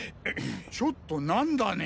ちょっと何だね！？